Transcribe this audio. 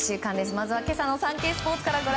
まず今朝のサンケイスポーツから。